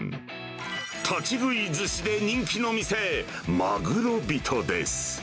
立ち食いずしで人気の店、まぐろ人です。